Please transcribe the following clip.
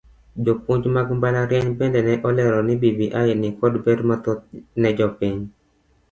Jopuonjre mag mbalariany bende ne olero ni bbi nikod ber mathoth ne jopiny.